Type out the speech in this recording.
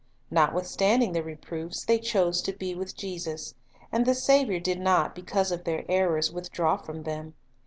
Notwithstanding the reproofs, they chose to be with Jesus. And the Saviour did not, because of their errors, withdraw from them.